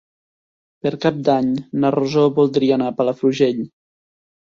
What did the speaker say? Per Cap d'Any na Rosó voldria anar a Palafrugell.